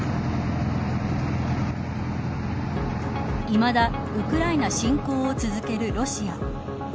いまだウクライナ侵攻を続けるロシア。